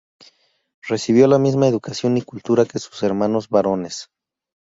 Recibió la misma educación y cultura que sus hermanos varones.